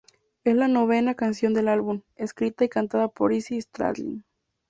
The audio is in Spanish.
Es la novena canción del álbum, escrita y cantada por Izzy Stradlin.